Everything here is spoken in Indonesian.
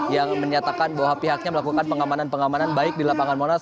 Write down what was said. yang menyatakan bahwa pihaknya melakukan pengamanan pengamanan baik di lapangan monas